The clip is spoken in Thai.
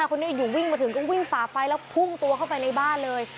คนนี้อยู่วิ่งมาถึงก็วิ่งฝ่าไฟแล้วพุ่งตัวเข้าไปในบ้านเลย